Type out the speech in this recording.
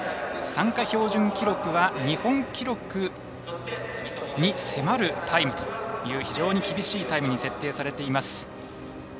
参加標準記録は日本記録に迫るタイムという非常に厳しいタイムに設定されています。